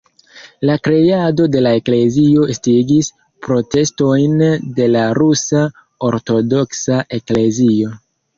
La kreado de la eklezio estigis protestojn de la Rusa Ortodoksa Eklezio.